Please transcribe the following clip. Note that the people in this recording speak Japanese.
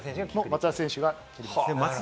松田選手がやります。